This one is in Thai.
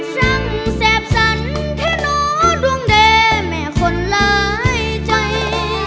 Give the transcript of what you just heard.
สร้างแสบสรรค์แท้หนอดวงแด่แม่คนหลายใจ